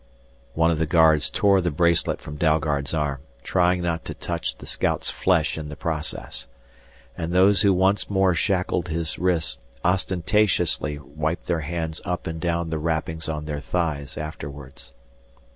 One of the guards tore the bracelet from Dalgard's arm, trying not to touch the scout's flesh in the process. And those who once more shackled his wrists ostentatiously wiped their hands up and down the wrappings on their thighs afterwards.